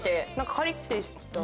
カリってした。